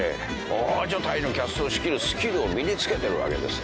大所帯のキャストを仕切るスキルを身に付けてるわけです。